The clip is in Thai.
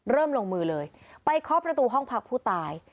ลงมือเลยไปเคาะประตูห้องพักผู้ตาย